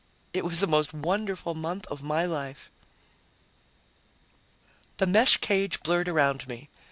It was the most wonderful month of my life. The mesh cage blurred around me.